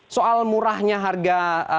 soal murahnya harga